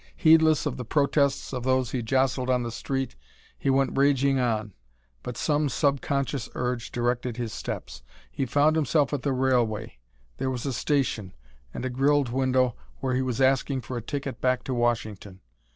Heedless of the protests of those he jostled on the street he went raging on, but some subconscious urge directed his steps. He found himself at the railway. There was a station, and a grilled window where he was asking for a ticket back to Washington.